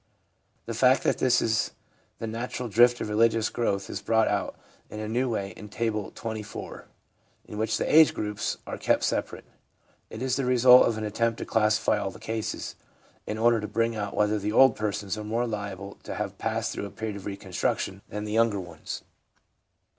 The fact that this is the natural drift of religious growth is brought out in a new way in Table XXIV., in which the age groups are kept separate. It is the result of an attempt to classify all the cases, in order to bring out whether older persons are more liable to have passed through a period of reconstruction than the younger ones.